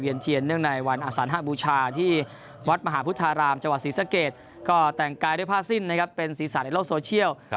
เทียนเนื่องในวันอสัญหาบูชาที่วัดมหาพุทธารามจังหวัดศรีสะเกดก็แต่งกายด้วยผ้าสิ้นนะครับเป็นศีรษะในโลกโซเชียล